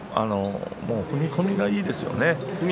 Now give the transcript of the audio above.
踏み込みがいいですよね。